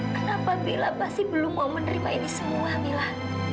kenapa bella pasti belum mau menerima ini semua mila